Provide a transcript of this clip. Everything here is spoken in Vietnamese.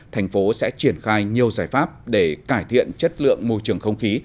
thành phố sẽ triển khai nhiều giải pháp để cải thiện chất lượng môi trường không khí